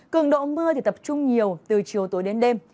cường độ mưa thì tập trung nhiều từ chiều tối đến đêm